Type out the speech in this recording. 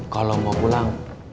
kalau mau pulang